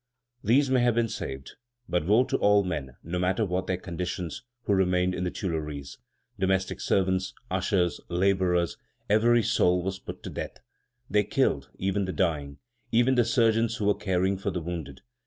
These may have been saved. But woe to all men, no matter what their conditions, who remained in the Tuileries! Domestic servants, ushers, laborers, every soul was put to death. They killed even the dying, even the surgeons who were caring for the wounded.